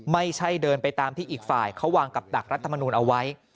ไม่ใช่เดินไปตามที่อีกฝ่ายเขาวางกับดักรัฐมนูลเอาไว้